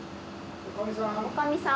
女将さん。